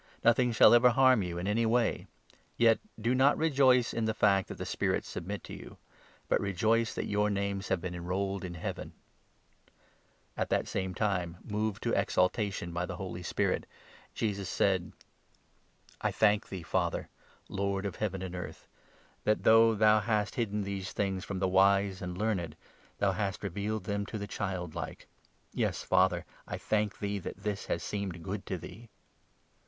Nothing shall ever harm you in any way. Yet 20 do not rejoice in the fact that the spirits submit to you, but rejoice that your names have been enrolled in Heaven." The chiid Mke At that same time, moved to exultation by the 21 Mind. . Holy Spirit, Jesus said :" I thank thee, Father, Lord of Heaven and earth, that, though thou hast hidden these things from the wise and learned, thou hast revealed them to the childlike ! Yes, Father, I thank thee that this has seemed good to thee.